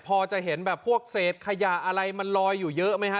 พอจะเห็นแบบพวกเศษขยะอะไรมันลอยอยู่เยอะไหมฮะ